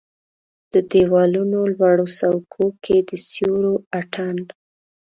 د د یوالونو لوړو څوکو کې د سیورو اټن